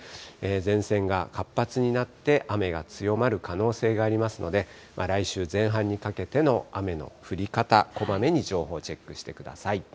前線が活発になって、雨が強まる可能性がありますので、来週前半にかけての雨の降り方、こまめに情報をチェックしてください。